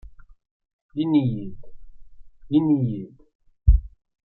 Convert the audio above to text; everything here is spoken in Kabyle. Ini-iyi-d, ini-iyi-d.